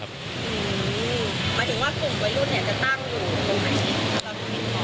หมายถึงว่ากลุ่มวัยรุ่นเนี่ยจะตั้งอยู่ตรงไหน